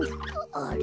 あれ？